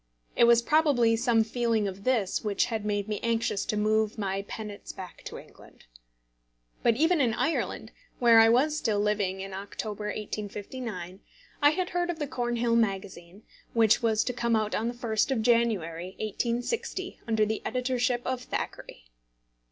It was probably some feeling of this which had made me anxious to move my penates back to England. But even in Ireland, where I was still living in October, 1859, I had heard of the Cornhill Magazine, which was to come out on the 1st of January, 1860, under the editorship of Thackeray.